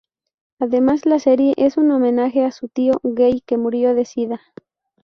Además la serie es un homenaje a su tío gay que murió de sida.